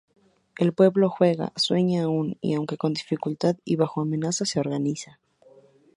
El pueblo juega, sueña aún, y aunque con dificultad y bajo amenaza, se organiza.